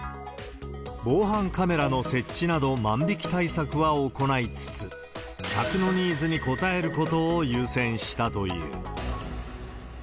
防犯カメラの設置など、万引き対策は行いつつ、客のニーズに応えることを優先したという。